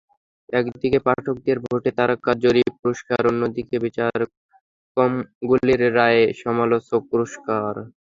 একদিকে পাঠকদের ভোটে তারকা জরিপ পুরস্কার, অন্যদিকে বিচারকমণ্ডলীর রায়ে সমালোচক পুরস্কার।